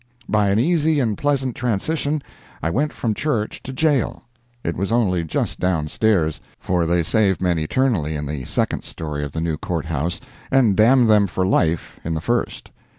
By an easy and pleasant transition, I went from church to jail. It was only just down stairs—for they save men eternally in the second story of the new court house, and damn them for life in the first.